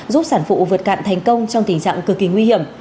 giúp sản phụ vượt cạn thành công trong tình trạng cực kỳ nguy hiểm